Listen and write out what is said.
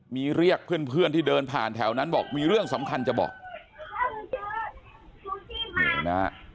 มีเรียกเพื่อนที่เดินผ่านแถวนั้นบอกมีเรื่องสำคัญจะบอก